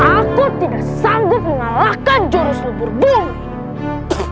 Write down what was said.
aku tidak sanggup mengalahkan jurus lubur bumi